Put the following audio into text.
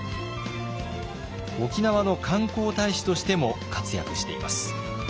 沖縄の観光大使としても活躍しています。